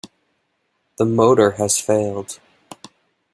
The motor has failed.